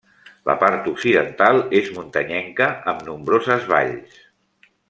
La part occidental és muntanyenca amb nombroses valls.